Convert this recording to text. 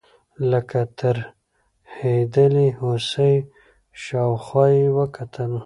لکه ترهېدلې هوسۍ شاوخوا یې وکتل.